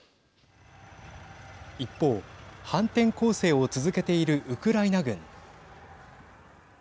一方、反転攻勢を続けているウクライナ軍。